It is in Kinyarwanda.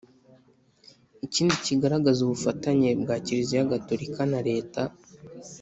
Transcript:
ikindi kigaragaza ubufatanye bwa kiliziya gatolika na leta